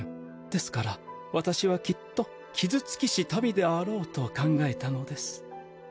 ですから私はきっと傷つきし民であろうと考えたのです。